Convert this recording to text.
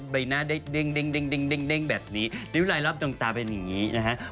ใบหน้าได้เด้งแบบนี้นิ้วลายรอบดวงตาเป็นอย่างนี้นะฮะ